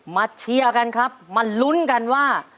เชียร์กันครับมาลุ้นกันว่า